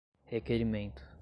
requerimento